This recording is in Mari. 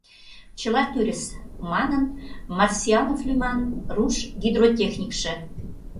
— Чыла тӱрыс, — манын Марсианов лӱман руш гидротехникше.